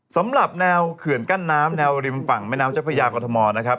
สำหรับแนวเขื่อนกั้นน้ำแนวริมฝั่งแม่น้ำเจ้าพระยากรทมนะครับ